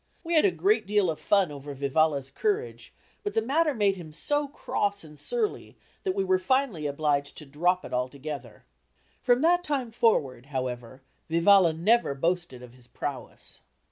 We had a great deal of fun over Vivalla's courage, but the matter made him so cross and surly that we were finally obliged to drop it altogether. From that time forward, however, Vivalla never boasted of his prowess.